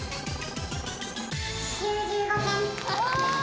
お！